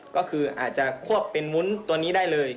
ก็คืออาจจะควบเป็นวุ้นตัวนี้ได้เลย